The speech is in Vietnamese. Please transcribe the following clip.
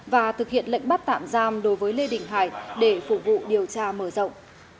và thực hiện lệnh bắt tạm giam đối với lê đình hải để phục vụ điều tra mở rộng